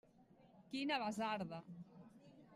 Quina basarda!